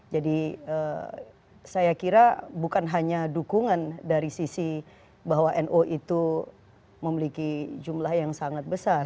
jadi saya kira bukan hanya dukungan dari sisi bahwa no itu memiliki jumlah yang sangat besar